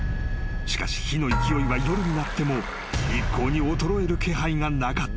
［しかし火の勢いは夜になっても一向に衰える気配がなかった］